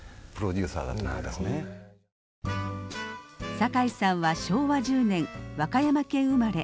酒井さんは昭和１０年和歌山県生まれ。